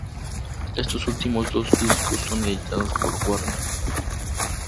Estos últimos dos discos son editados por Warner.